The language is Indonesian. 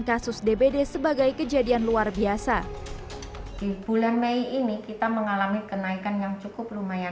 kasus dbd sebagai kejadian luar biasa di bulan mei ini kita mengalami kenaikan yang cukup lumayan